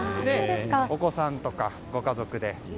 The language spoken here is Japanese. お子さんとかご家族で。